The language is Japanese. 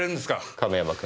亀山君。